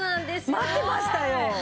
待ってましたよ！